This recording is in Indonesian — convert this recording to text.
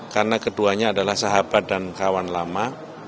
karena keduanya adalah sahabat dan kawan lama